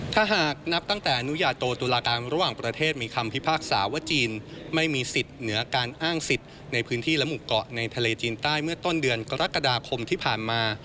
ถ้าหากนับตั้งแต่อนุญาโตตุลาการระหว่างประเทศมีคำพิพากษาว่าจีนไม่มีสิทธิ์เหนือการอ้างสิทธิ์ในพื้นที่และหมู่เกาะในทะเลจีนใต้เมื่อต้นเดือนกรกฎาคมที่ผ่านมา